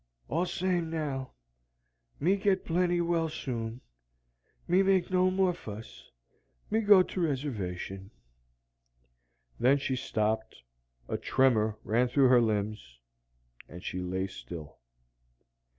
"All's same now. Me get plenty well soon. Me make no more fuss. Me go to Reservation." Then she stopped, a tremor ran through her limbs, and she lay still.